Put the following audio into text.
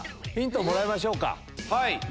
ヒントもらいましょうか。